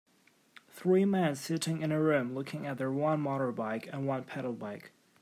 Three men sitting in a room looking at their one motorbike and one pedal bike.